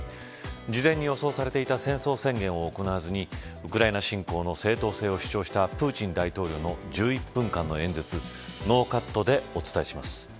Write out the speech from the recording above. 事前に予想されていた戦争宣言を行わずにウクライナ侵攻の正当性を主張したプーチン大統領の１１分間の演説ノーカットでお伝えします。